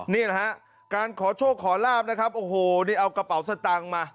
นี่นะฮะการขอโชคขอลาบนะครับโอ้โหนี่เอากระเป๋าสตางค์มา